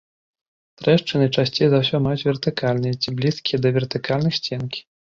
Трэшчыны часцей за ўсё маюць вертыкальныя, ці блізкія да вертыкальных сценкі.